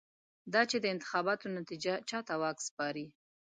دا چې د انتخاباتو نتېجه چا ته واک سپاري.